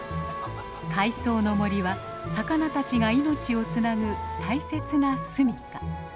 海藻の森は魚たちが命をつなぐ大切なすみか。